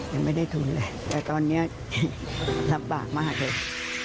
ยังไม่ได้ทุนเลยแต่ตอนนี้ลำบากมากเลย